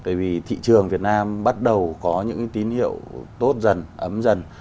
tại vì thị trường việt nam bắt đầu có những tín hiệu tốt dần ấm dần